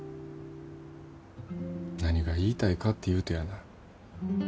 何が言いたいかっていうとやな。